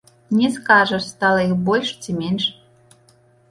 Не скажаш, стала іх больш ці менш.